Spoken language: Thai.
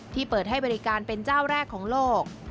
เปิดให้บริการเป็นเจ้าแรกของโลก